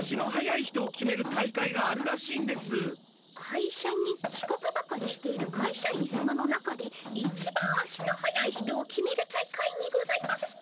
いしゃにちこくばかりしているかいしゃ員さまの中でいちばん足の速い人を決める大会にございますか？